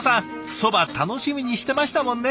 そば楽しみにしてましたもんね。